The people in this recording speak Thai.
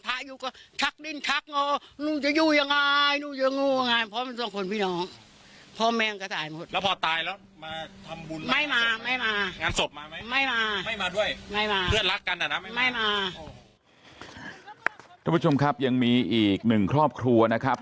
ท่านผู้ชมครับยังมีอีกหนึ่งครอบครัวนะครับ